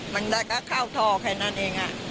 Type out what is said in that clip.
มันก็เข้าท่อแค่นั้นเอง